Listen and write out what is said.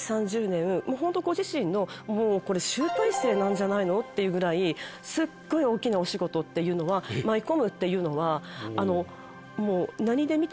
ご自身の集大成なんじゃないの？っていうぐらいすっごい大きなお仕事っていうのは舞い込むっていうのはもう。